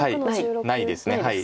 ないです。